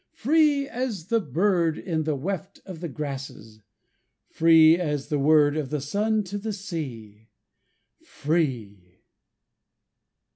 Free as the bird In the weft of the grasses! Free as the word Of the sun to the sea Free!